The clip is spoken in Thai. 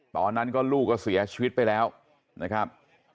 ตอนนั้นก็ลูกก็เสียชีวิตไปแล้วนะครับ